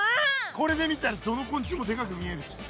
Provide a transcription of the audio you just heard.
これで見たらどの昆虫もでかく見えるし。